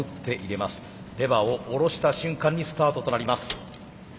レバーを下ろした瞬間にスタートとなります。